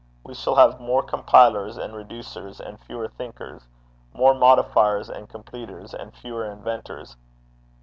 We shall have more compilers and reducers and fewer thinkers; more modifiers and completers, and fewer inventors.